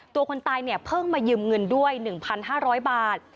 ตัวคนตายเนี่ยเพิ่งมายืมเงินด้วยหนึ่งพันห้าร้อยบาท